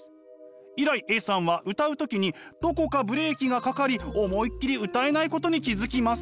以来Ａさんは歌う時にどこかブレーキがかかり思いっきり歌えないことに気付きます。